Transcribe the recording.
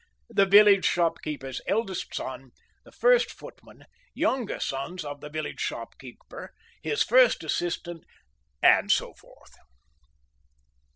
the village shopkeeper's eldest son, the first footman, younger sons of the village shopkeeper, his first assistant, and so forth.